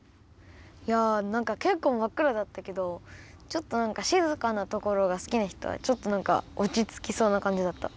いやなんかけっこうまっくらだったけどちょっとなんかしずかなところがすきなひとはちょっとなんかおちつきそうなかんじだった。